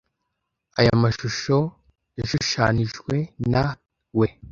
Ayo mashusho yashushanijwe na we.